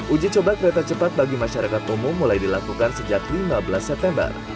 uji coba kereta cepat bagi masyarakat umum mulai dilakukan sejak lima belas september